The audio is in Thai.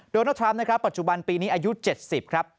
ดนตรัมน์ปัจจุบันปีนี้อายุ๗๐ครับ